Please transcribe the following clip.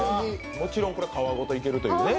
もちろんこれは皮ごといけるというね。